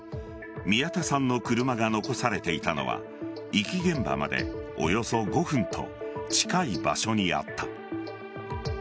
宮田さんの車が残されていたのは遺棄現場までおよそ５分と近い場所にあった。